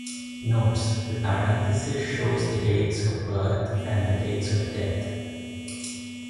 Notes: The parentheses shows the dates of birth and the dates of death.